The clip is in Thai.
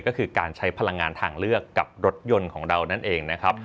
ก็คือการใช้พลังงานทางเลือกกับรถยนต์ของเรานั่นเองนะครับ